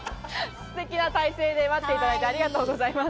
ステキな体勢で待っていただいて、ありがとうございます。